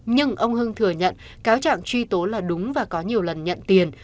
nhưng ông hưng thừa nhận cáo trạng truy tố là đúng và có nhiều lần nhận tiền